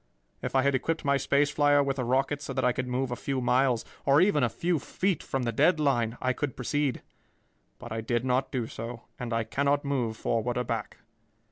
If I had equipped my space flier with a rocket so that I could move a few miles, or even a few feet, from the dead line, I could proceed, but I did not do so, and I cannot move forward or back.